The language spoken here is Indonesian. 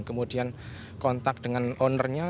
kemudian kontak dengan ownernya